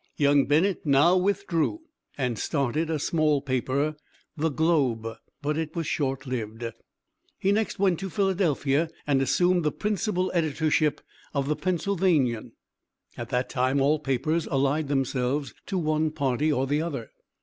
Young Bennett now withdrew and started a small paper, The Globe, but it was short lived. He next went to Philadelphia and assumed the principal editorship of the Pennsylvanian. At that time all papers allied themselves to one party or the other.